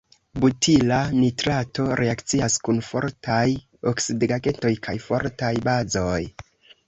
Butila nitrato reakcias kun fortaj oksidigagentoj kaj fortaj bazoj.